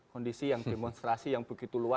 kondisi yang demonstrasi yang begitu luas